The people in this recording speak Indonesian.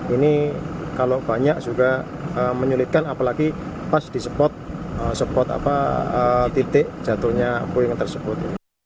ini kalau banyak juga menyulitkan apalagi pas di spot titik jatuhnya puing tersebut